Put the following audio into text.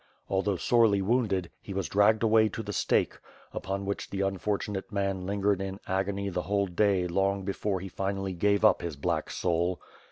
Although sorely wounded, he was dragged away to the stake, upon which the unfortunate man lingered in agony the whole day long before he finally gave up his black soul.